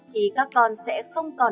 thì các con sẽ không còn